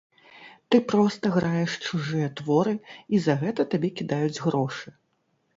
Ты проста граеш чужыя творы, і за гэта табе кідаюць грошы.